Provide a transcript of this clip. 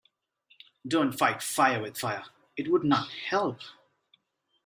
Don‘t fight fire with fire, it would not help.